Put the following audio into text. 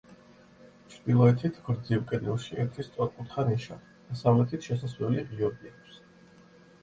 ჩრდილოეთით გრძივ კედელში ერთი სწორკუთხა ნიშაა, დასავლეთით შესასვლელი ღიობი აქვს.